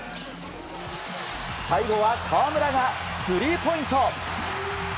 最後は河村がスリーポイント。